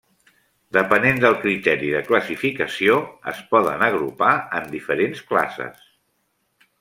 Depenent del criteri de classificació es poden agrupar en diferents classes.